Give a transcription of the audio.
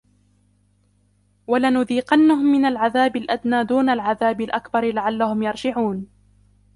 ولنذيقنهم من العذاب الأدنى دون العذاب الأكبر لعلهم يرجعون